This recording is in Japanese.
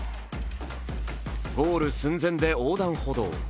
ゴール寸前で横断歩道。